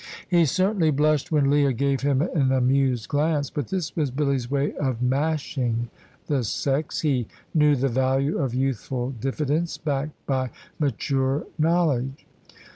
He certainly blushed when Leah gave him an amused glance, but this was Billy's way of mashing the sex. He knew the value of youthful diffidence, backed by mature knowledge.